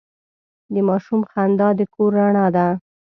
د ماشوم خندا د کور رڼا ده.